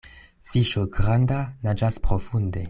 Fiŝo granda naĝas profunde.